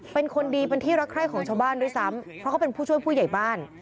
เป็นคนดีเป็นที่รักใคร่ของชาวบ้านด้วยซ้ำเพราะเขาเป็นผู้ช่วยผู้ใหญ่บ้าน